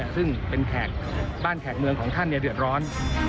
ซึ่งเป็นแขกบ้านแขกเมืองของท่านเดือดร้อน